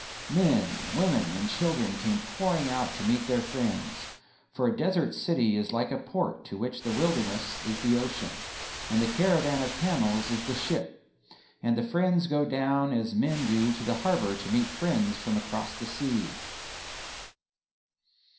Men, women and children came pouring out to meet their friends: for a desert city is like a port to which the wilderness is the ocean, and the caravan of camels is the ship, and the friends go down as men do to the harbour to meet friends from across the sea.